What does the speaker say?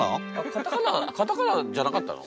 カタカナカタカナじゃなかったの？